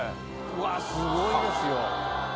うわすごいですよ。